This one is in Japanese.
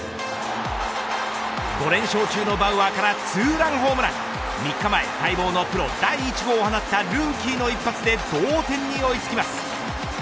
５連勝中のバウアーからツーランホームラン３日前、待望のプロ第１号を放ったルーキーの一発で同点に追い付きます。